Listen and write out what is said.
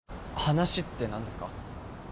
話って何ですか？